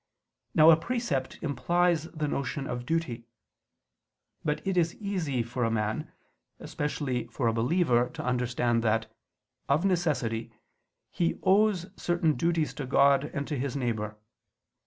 Now a precept implies the notion of duty. But it is easy for a man, especially for a believer, to understand that, of necessity, he owes certain duties to God and to his neighbor.